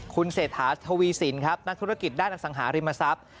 คุณเศรษฐาทวีสินครับนักธุรกิจด้านอสังหาริมทรัพย์